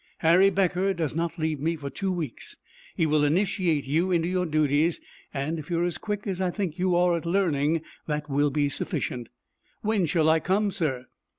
"Harry Becker does not leave me for two weeks. He will initiate you into your duties, and if you are as quick as I think you are at learning, that will be sufficient." "When shall I come, sir?"